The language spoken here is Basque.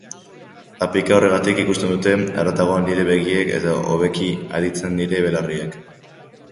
Apika horregatik ikusten dute haratago nire begiek eta hobeki aditzen nire belarriek.